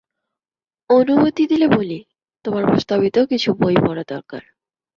অনুমতি দিলে বলি, তোমার প্রস্তাবিত কিছু বই পড়া দরকার।